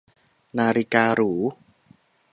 - นาฬิกาหรู